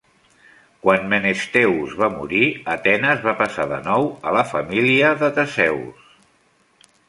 Quan Menestheus va morir, Atenes va passar de nou a la família de Theseus.